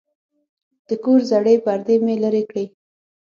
د کور زړې پردې مې لرې کړې.